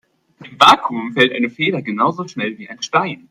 Im Vakuum fällt eine Feder genauso schnell wie ein Stein.